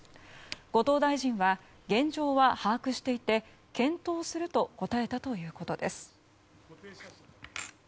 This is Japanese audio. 後藤大臣は、現状は把握していて検討すると答えたということです。